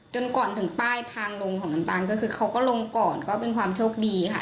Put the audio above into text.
ก่อนถึงป้ายทางลงของน้ำตาลก็คือเขาก็ลงก่อนก็เป็นความโชคดีค่ะ